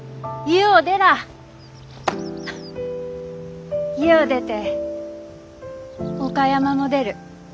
家を出て岡山も出る。